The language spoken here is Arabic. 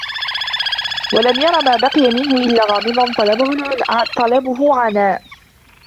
وَلَمْ يَرَ مَا بَقِيَ مِنْهُ إلَّا غَامِضًا طَلَبُهُ عَنَاءٌ